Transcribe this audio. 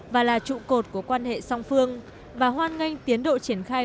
và là trụ cột của quan hệ song phương và hoan nghênh tiến độ triển khai